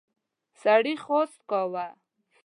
سړي خواست کاوه.